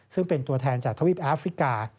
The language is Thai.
ซึ่งเป็นตัวแทนจากทวีปแอฟริกา